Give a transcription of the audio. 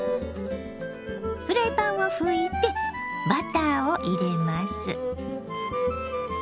フライパンを拭いてバターを入れます。